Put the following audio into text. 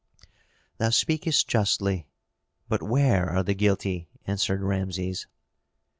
"Thou speakest justly, but where are the guilty?" answered Rameses.